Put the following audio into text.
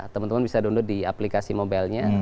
teman teman bisa download di aplikasi medica com